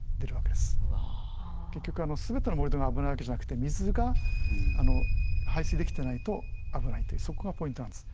結局全ての盛り土が危ないわけじゃなくて水が排水できてないと危ないというそこがポイントなんです。